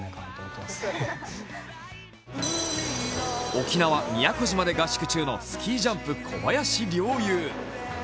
沖縄・宮古島で合宿中のスキージャンプの小林陵侑。